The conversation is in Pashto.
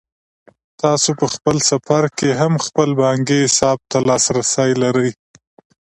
تاسو په سفر کې هم خپل بانکي حساب ته لاسرسی لرئ.